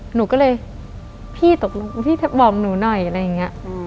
หนูก็เลยพี่ตกลงพี่บอกหนูหน่อยอะไรอย่างนี้